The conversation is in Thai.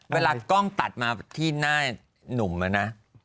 เวลากล้องตัดมาที่หน้าหนุ่มอะนะ